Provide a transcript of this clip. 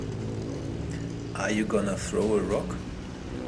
Are you gonna throw a rock?